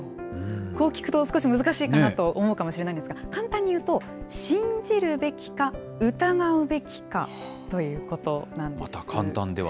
こう聞くと、少し難しいかなと思うかもしれないんですが、簡単に言うと、信じるべきか疑うべきかということなんです。